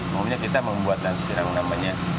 maunya kita membuat nanti yang namanya